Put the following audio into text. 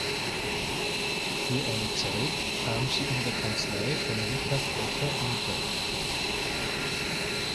Für eine Zeit kam sie in der Kanzlei von Richard Becher unter.